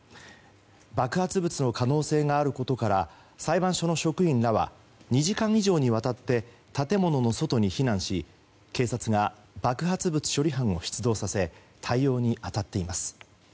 爆発物の可能性があることから裁判所の職員らは２時間以上にわたって建物の外に避難し警察が爆発物処理班を出動させ対応に当たっています。